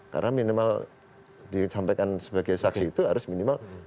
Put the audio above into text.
karena minimal disampaikan sebagai saksi itu harus minimal